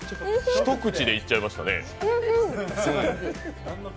一口でいっちゃいましたね。